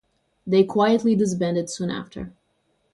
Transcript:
They quietly disbanded soon after.